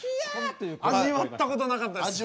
味わったことなかったです。